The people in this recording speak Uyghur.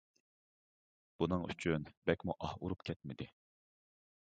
بۇنىڭ ئۈچۈن بەكمۇ ئاھ ئۇرۇپمۇ كەتمىدى.